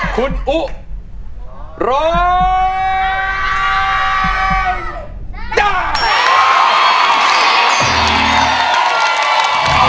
คุณอุ๊ะ